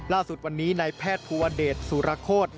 ล่าสุดวันนี้นายแพทย์ภูวเดชสุรโคตร